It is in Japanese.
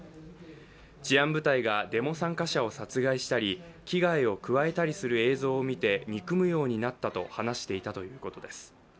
治安部隊がデモ参加者を殺害したり、危害を加えたりする映像を見て憎むようになったと話していたということです。